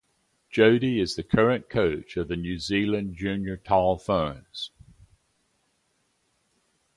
Jody is the current coach of the New Zealand Junior Tall Ferns.